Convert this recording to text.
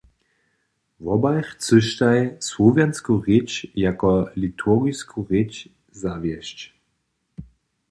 Wobaj chcyštaj słowjansku rěč jako liturgisku rěč zawjesć.